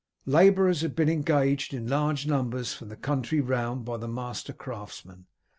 Labourers had been engaged in large numbers from the country round by the master craftsmen.